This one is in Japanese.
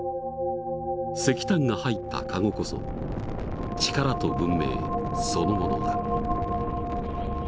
石炭が入った籠こそ力と文明そのものだ」。